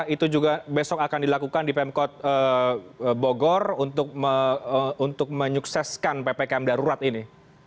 itu juga besok akan dilakukan di pemkot bogor untuk menyukseskan ppkm darurat ini